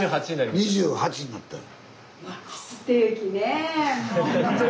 ２８になったんや。